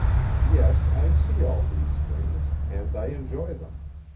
Yes; I see all these things, and I enjoy them.